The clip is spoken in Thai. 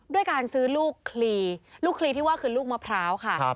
ด้วยการซื้อลูกคลีลูกคลีที่ว่าคือลูกมะพร้าวค่ะ